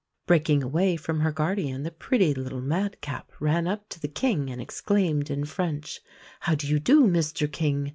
Breaking away from her guardian the pretty little madcap ran up to the King and exclaimed in French: "How do you do, Mr King?